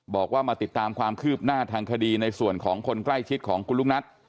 บอกว่ามาติดตามความคืบหน้าทางคดีในส่วนของคนใกล้ชิดของคุณลุงนัท